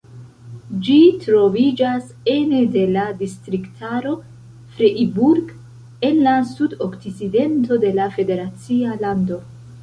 Ĝi troviĝas ene de la distriktaro Freiburg, en la sudokcidento de la federacia lando.